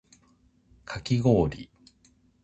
かきごおり